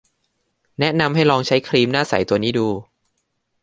แนะนำให้ลองใช้ครีมหน้าใสตัวนี้ดู